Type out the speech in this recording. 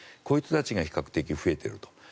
こういう人たちが比較的増えていると。